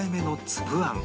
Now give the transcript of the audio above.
つぶあん。